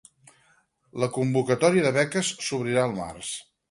La convocatòria de beques s'obrirà al març